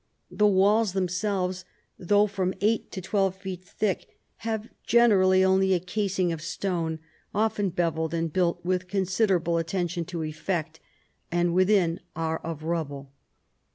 The walls themselves, though from eight to twelve feet thick, have generally only a casing of stone, often bevelled and built with considerable at tention to effect, and within are of rubble.